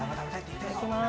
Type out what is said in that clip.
いただきます。